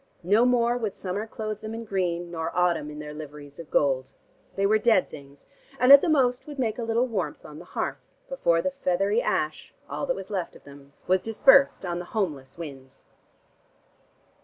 No more would summer clothe them in green, nor autumn in their liveries of gold: they were dead things and at the most would make a little warmth on the hearth, before the feathery ash, all that was left of them, was dispersed on the homeless winds.